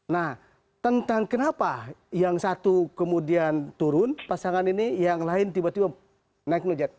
nah tentang kenapa yang satu kemudian turun pasangan ini yang lain tiba tiba naik ngejat